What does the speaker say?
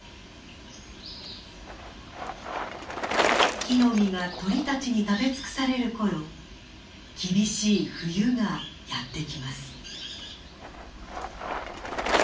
木の実が鳥たちに食べ尽くされる頃厳しい冬がやってきます。